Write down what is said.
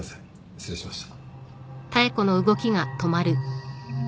失礼しました。